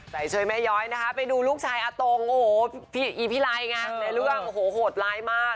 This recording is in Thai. ใจเชยแม้ยอยไปดูลูกชายอาตงอีฟิไรค์ในเรื่องโหดร้ายมาก